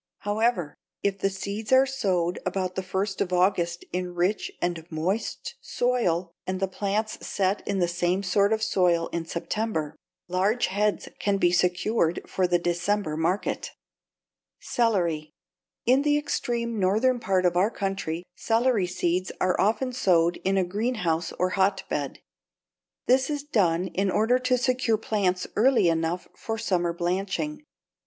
However, if the seeds are sowed about the first of August in rich and moist soil and the plants set in the same sort of soil in September, large heads can be secured for the December market. [Illustration: FIG. 91. CELERY TRIMMED, WASHED, AND BUNCHED] =Celery.= In the extreme northern part of our country, celery seeds are often sowed in a greenhouse or hotbed. This is done in order to secure plants early enough for summer blanching.